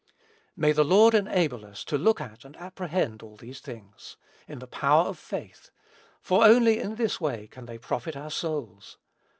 May the Lord enable us to look at and apprehend all these things, in the power of faith; for only in this way can they profit our souls.